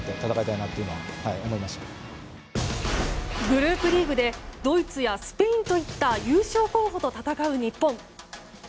グループリーグでドイツやスペインといった優勝候補と戦う日本。